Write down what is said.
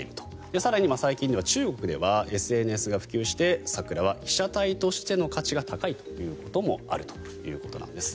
更に最近では中国ではＳＮＳが普及して桜は被写体としての価値が高いということもあるようなんです。